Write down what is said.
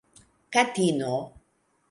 katino